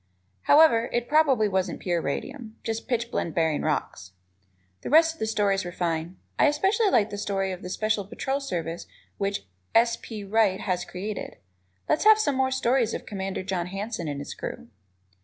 However, it probably wasn't pure radium, just pitchblende bearing rocks. The rest of the stories were fine. I especially like the stories of the Special Patrol Service which S. P. Wright has created. Let's have some more stories of Commander John Hanson and his crew.